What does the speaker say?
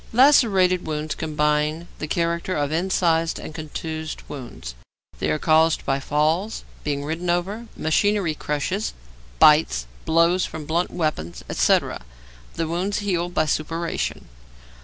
Lacerated wounds combine the characters of incised and contused wounds. They are caused by falls, being ridden over, machinery crushes, bites, blows from blunt weapons, etc. The wounds heal by suppuration.